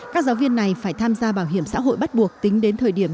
các giáo viên này phải tham gia bảo hiểm xã hội bắt buộc tính đến thời điểm